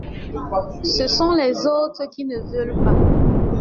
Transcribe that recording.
Ce sont les autres qui ne veulent pas.